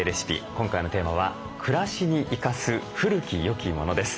今回のテーマは「暮らしに生かす古き良きもの」です。